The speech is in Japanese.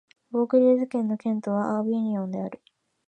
ヴォクリューズ県の県都はアヴィニョンである